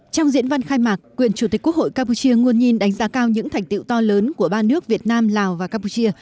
trong diễn văn khai mạc quyền chủ tịch quốc hội campuchia nguồn nhìn đánh giá cao những thành tiệu to lớn của ba nước việt nam lào và campuchia